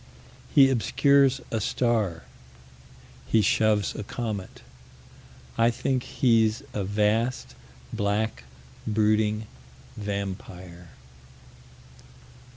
He obscures a star. He shoves a comet. I think he's a vast, black, brooding vampire.